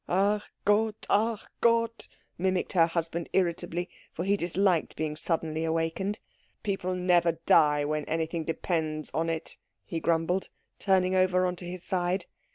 "Ach Gott, ach Gott!" mimicked her husband irritably, for he disliked being suddenly awakened. "People never die when anything depends on it," he grumbled, turning over on his side.